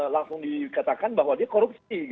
langsung dikatakan bahwa dia korupsi